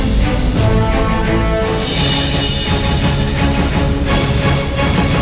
แม่